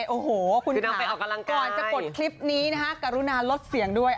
โอ้โฮคุณสาวก่อนจะกดคลิปนี้นะคะกรุณาลดเสียงด้วย